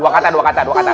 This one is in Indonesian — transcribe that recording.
bukan dua kata dua kata